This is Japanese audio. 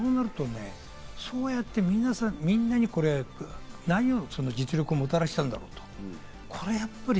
そうなるとね、そうやって、みんなに何をもたらしたのかと。